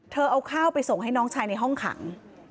เอาข้าวไปส่งให้น้องชายในห้องขัง